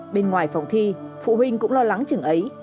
bên ngoài phòng thi phụ huynh cũng lo lắng chừng ấy